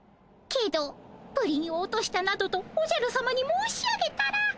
けどプリンを落としたなどとおじゃるさまに申し上げたら。